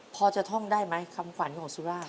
พอจะท่องได้ไหมคำขวัญของสุร่า